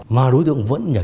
mà đối tượng vẫn nhảy ra